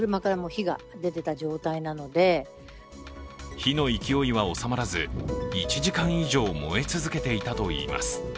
火の勢いは収まらず、１時間以上燃え続けていたといいます。